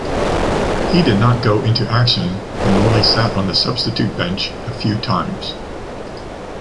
He did not go into action and only sat on the substitute bench a few times.